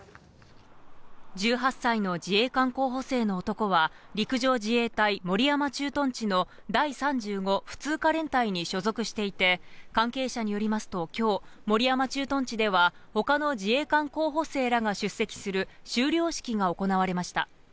１８歳の自衛官候補生の男は、陸上自衛隊守山駐屯地の第３５普通科連隊に所属していて、関係者によりますと、きょう、守山駐屯地ではほかの自衛官候補生が出席する修了式が行われました。